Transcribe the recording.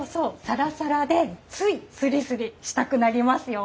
さらさらでついすりすりしたくなりますよ。